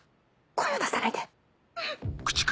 声を出さないで。